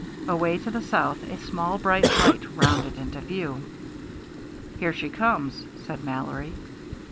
Away to the south a small bright light rounded into view. "Here she comes," said Mallory.